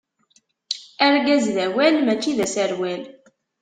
Argaz d awal, mačči d aserwal.